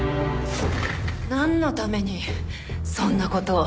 なんのためにそんな事を？